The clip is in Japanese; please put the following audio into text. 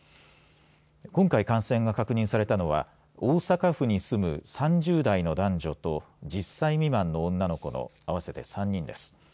今回、感染が確認されたのは、大阪府に住む３０代の男女と１０歳未満の女の子の合わせて３人です。